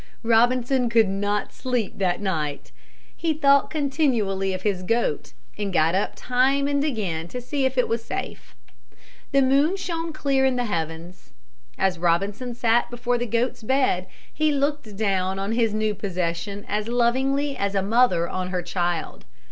Robinson could not sleep that night. He thought continually of his goat and got up time and again to see if it was safe. The moon shone clear in the heavens. As Robinson sat before the goat's bed he looked down on his new possession as lovingly as a mother on her child.